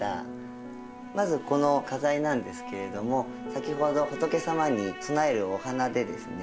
まずこの花材なんですけれども先ほど仏様に供えるお花でですね